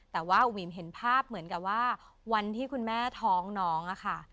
แต่ว่าอุ๋มเห็นภาพเหมือนกับว่าวันที่คุณแม่ท้องน้องอะค่ะ